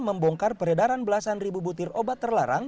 membongkar peredaran belasan ribu butir obat terlarang